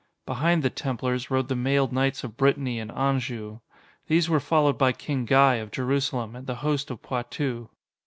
Behind the Templars rode the mailed knights of Brittany and Anjou. These were followed by King Guy of Jerusalem and the host of Poitou.